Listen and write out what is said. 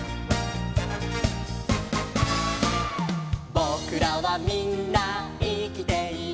「ぼくらはみんないきている」